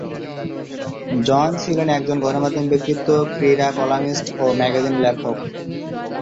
জন ছিলেন একজন গণমাধ্যম ব্যক্তিত্ব, ক্রীড়া কলামিস্ট, ও ম্যাগাজিন লেখক।